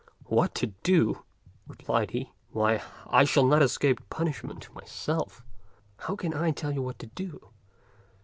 "What to do!" replied he; "why, I shall not escape punishment myself; how can I tell you what to do.